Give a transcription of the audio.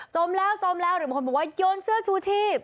มแล้วจมแล้วหรือบางคนบอกว่าโยนเสื้อชูชีพ